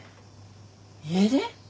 家出？